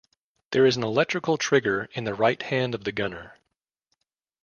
There is an electrical trigger in the right hand of the gunner.